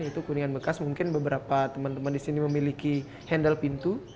itu kuningan bekas mungkin beberapa teman teman di sini memiliki handle pintu